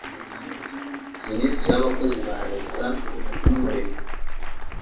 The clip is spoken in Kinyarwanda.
Minisitiri w’Abakozi ba Leta n’Umurimo